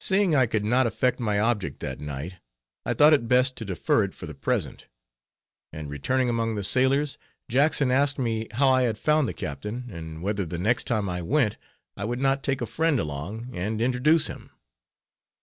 Seeing I could not effect my object that night, I thought it best to defer it for the present; and returning among the sailors, Jackson asked me how I had found the captain, and whether the next time I went, I would not take a friend along and introduce him.